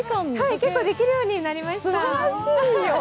結構できるようになりました。